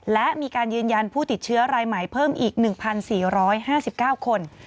และมีการยืนยันผู้ติดเชื้อรายใหม่เพิ่มอีก๑๔๕๙คน